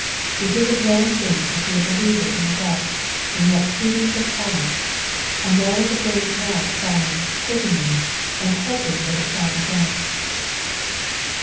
It is a grand thing to see a believer in the dust and yet pleading the promise, a man at the grave's mouth crying, *^ quicken me,'' and hoping that it shall be done.